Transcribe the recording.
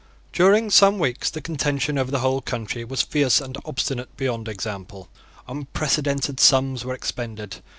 During some weeks the contention over the whole country was fierce and obstinate beyond example. Unprecedented sums were expended.